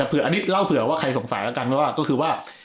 อันนี้เล่าเผื่อว่าใครสงสัยแล้วกันว่าก็คือว่า